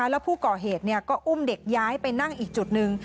แล้วผู้ก่อเหตุก็อุ้มเด็กย้ายไปนั่งอีกจุดหนึ่ง